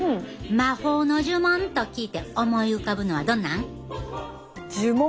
魔法の呪文と聞いて思い浮かぶのはどんなん？呪文？